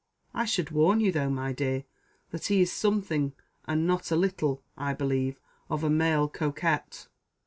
I should warn you though, my dear, that he is something, and not a little, I believe, of a male coquette.